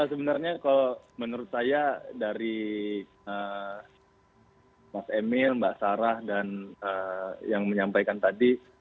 sebenarnya kalau menurut saya dari mas emil mbak sarah dan yang menyampaikan tadi